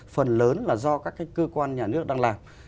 phần lớn là do các cơ quan nhà nước đang làm